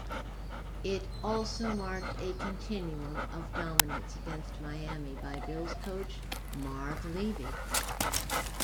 It also marked a continuation of dominance against Miami by Bills coach Marv Levy.